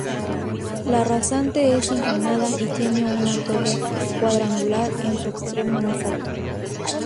La rasante es inclinada, y tiene una torre cuadrangular en su extremo más alto.